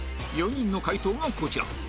４人の解答がこちら